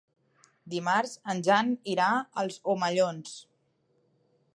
Dimarts en Jan irà als Omellons.